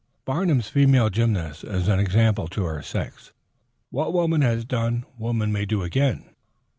Barnum's female gymnast is an example to her sex. What woman has done woman may do again.